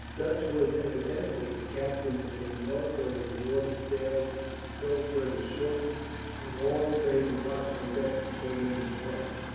Such was evidently the captain's opinion also, as he ordered sail to be still further shortened, and all, save the watch on deck, to turn in at once.